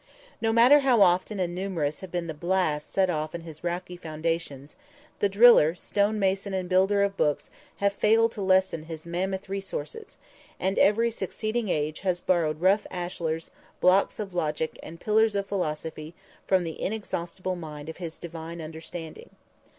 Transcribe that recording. No matter how often and numerous have been the "blasts" set off in his rocky foundations, the driller, stone mason and builder of books have failed to lessen his mammoth resources, and every succeeding age has borrowed rough ashlers, blocks of logic and pillars of philosophy from the inexhaustible mine of his divine understanding.